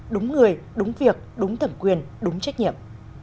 đúng người đúng việc đúng thẩm quyền đúng trách nhiệm